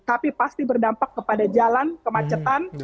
tapi pasti berdampak kepada jalan kemacetan